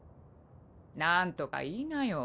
なんとか言いなよ。